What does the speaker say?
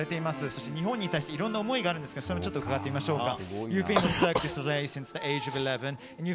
そして日本に対していろんな思いがあるのですがそこも伺ってみましょうか。